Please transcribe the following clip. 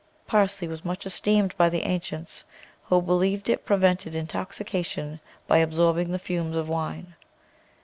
Parsley was much esteemed by the ancients, who believed it pre vented intoxication by absorbing the fumes of wine.